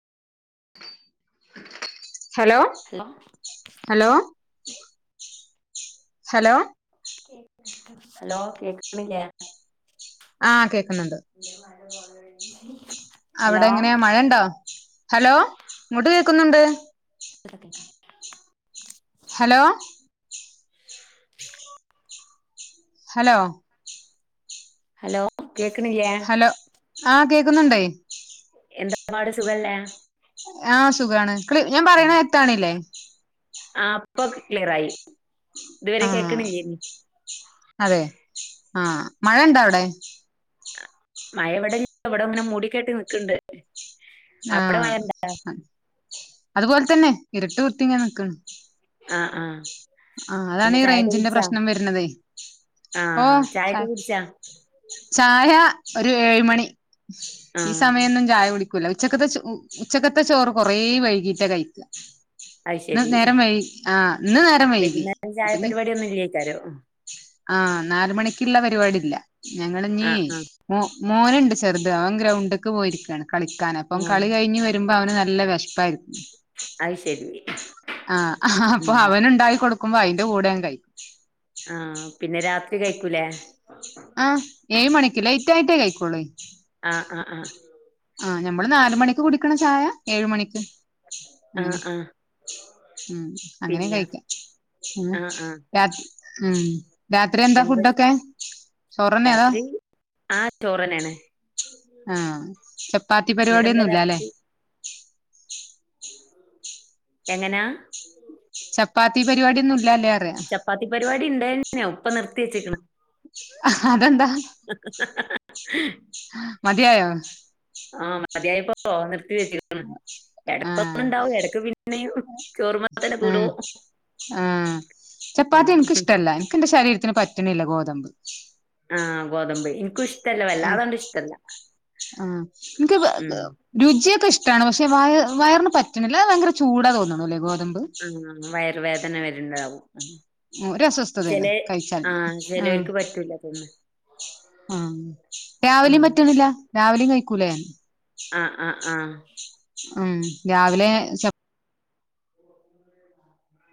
Hello hello hello hello കേക്കണില്ല ആഹ കേക്ക ഹലോ അവിടെ എങ്ങനെയാ മഴ ഉണ്ടോ ഹലോ ഇഖോട് കേക്കുന്നുണ്ട് ക്ക [inaudible] ഹലോ ഉ ഹലോ ഹലോ കേക്കനിലെ ആഹ കേക്കുന്നുണ്ട എന്താ പാട് സുഖല്ലേ ആഹ് സുഖാണ് ഞാൻ പറയണ എത്താണല്ലേ ആ ഇപ്പൊ ക്ലിയർായി ആഹ അതെ ആഹ മഴ എണ്ടാ അവിടെ മഴ എവിടെ എവിടെ ഇങ്ങനെ മൂടിക്കട്ട് നിക്കണ്ട് അവിടെ ആഹ മഴ ഇണ്ടാ അതുപോലെ തന്നെ ഇരട്ട് കുത്തിങ്ങൻ നിക്ക ആ ആ ആ പിന്നെ അതാണി ചായൊക്കെ റേഞ്ചിന്റെ കുടിച്ചാ പ്രശ്നം വരണതേ ആ ഓ ച ചായൊക്കെ കുടിച്ചാ ചായ ഒരു ഏഴ് മണി ആ ഈ സമയൊന്നും ചായ കുടി കൂല ഉച്ചക്കത്തെ ചോ ഉച്ചക്കത്തെ ചോറ് കൊറേ വൈകീട്ടേ കഴിക്ക ഇന്ന് നേരം വൈകി ആ ഇന്ന് നേരം വൈകി വൈന്നേരം അപ്പൊ ഇനി ചായപരിപാടി ഒന്നും [unintelligible] ആ നാല് മണിക്കിള്ള പരിപാടില്ല ഞങ്ങള് ഞ്ഞി ആ ആ ഓ മോന്ണ്ട് ചെറുത് അവൻ ഗ്രൗണ്ട്ക്ക് പോയിരിക്കാണ് കളിക്കാനപ്പം ആ കളി കഴിഞ്ഞ് വരുമ്പോ അവന് നല് നല്ല വെശ്പ്പായി അത് ശരി ആ അപ്പൊ ഉം അവന് ഇണ്ടായി കൊടു നോക്ക്മ്പോ അതിന്റെ കൂടങ്ക് കയ്കും ആ പിന്നെ രാത്രി കഴിക്കൂലേ ആ ഏഴ് മണിക്ക് ലേറ്റ് ആയിട്ടേ കഴിക്കുള്ളേ ആ ആ ആ ആ ഞമ്മള് നാല് മണിക്ക് കുടിക്കണ ചായ ഏഴ്‌ മണിക്ക് ആ അങ്ങനെ ആ ഉം അങ്ങനേം പിന്നെ കഴിക്കാം ആഹ് രാത് ഉം രാത്രി എന്താ എന്തേ ഫുഡൊക്കെ ചോറന്നെ അതോ രാത്രി ആ ചോറന്നാണ് ആ ചപ്പാത്തി ഇങ്ങക്കെന്താ പരിപാട്യൊന്നുല്ലാലെ രാത്രി എങ്ങനാ ചപ്പാത്തി പരിപാടിയൊന്നും ഇല്ലാല്ലേ അറിയ ചപ്പാത്തി പരിപാടി ഇണ്ടായിരുന്നെനു ഇപ്പ നിർത് പീച്ചിക്ക്ണ് അതെന്താ [unintelligible] മതിയായ ഓ നിർത് ആ എടക്ക് പിന്നെയും ചോറുമ്മ തന്നെ ഉം കൂടും. ആ ഉം ചപ്പാത്തി എനക്ക്ഷ്ടല്ല എനക്ക് എന്റെ ശരീര ത്തിന് പറ്റണില്ല ഗോതമ്പ് ഗോതമ്പേ എനിക്കുംഷ് ആ ആ എനിക്ക് ഉം രുചിയൊക്ക ഇഷ് ട്ടാണ് പഷെ വയ വയറിന് പറ്റണില്ല അത് വയങ്കര ചൂടാ തോന്നണുലേ ഗോത് ആ വയറുവേദന വരുണ്ടാവും ഒരു അസ്വസ്ഥതയാണ് ചേലെ കഴിച്ചാൽ ആ ചെലേർക്കു പറ്റൂല തോന്നണ്. ആ ഉം രാവിലെയും പറ്റണില്ല രാവിലെയും കഴ് കുലേ? ആ ആ ആ [unintelligible] ഉം രാവിലെ ചപ്